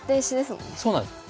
そうなんです。